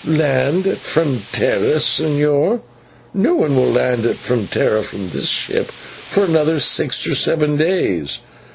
"Land at Frontera, señor? No one will land at Frontera from this ship for another six or seven days.